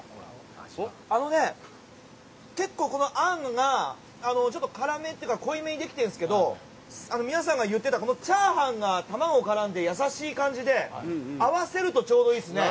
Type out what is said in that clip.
あのね結構このあんがちょっと辛めっていうか濃いめにできてるんですけど皆さんが言ってたこのチャーハンが玉子絡んで優しい感じで合わせるとちょうどいいですね。